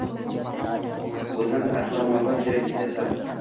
O’zin asramog’i kerak endi sal